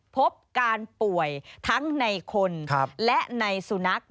พบการป่วยทั้งในคนและในสุนัข